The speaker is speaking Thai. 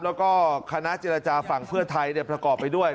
แล้วก็คณะเจรจาฝั่งเพื่อไทยประกอบไปด้วย